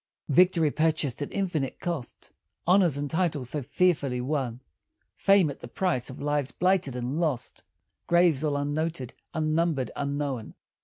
Victory, purchased at infinite cost, Honors and titles so fearfully won, Fame, at the price of lives blighted and lost, Graves, all unnoted, unnumbered, unknown.